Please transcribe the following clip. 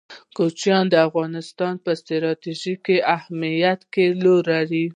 کوچیان د افغانستان په ستراتیژیک اهمیت کې رول لري.